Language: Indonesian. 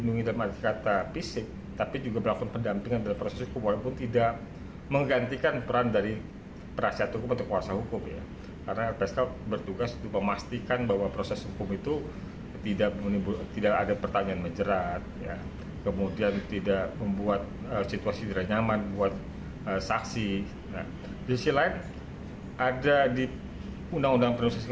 di sisi lain ada di undang undang penyusupan korban itu buat korban penganiayaan berat itu ada rehabilitasi